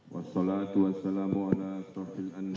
wassalatu wassalamu ala srafil anjir